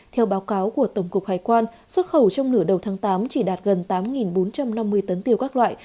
theo báo cáo của tổng cục hải quan xuất khẩu trong nửa đầu tháng tám chỉ đạt gần tám bốn trăm năm mươi tấn tiêu các loại